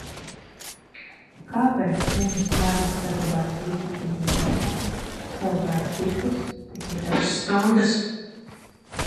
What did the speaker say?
Kāpēc vienas smaržas saglabājas visas dienas garumā, savukārt citas tikai dažas stundas?